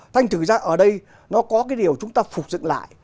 thành thực ra ở đây nó có cái điều chúng ta phục dựng lại